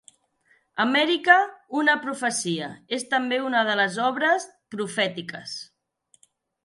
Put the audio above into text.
"America, una profecia" és també una de les "obres profètiques".